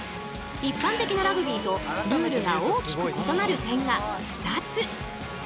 一般的なラグビーとルールが大きく異なる点が２つ。